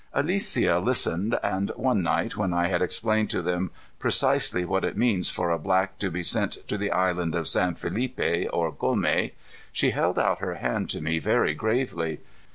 Alicia listened, and one night when I had explained to them precisely what it means for a black to be sent to the island of San Felipe or Gomé, she held out her hand to me very gravely.